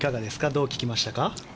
どう聞きましたか。